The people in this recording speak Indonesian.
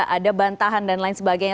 ada bantahan dan lain sebagainya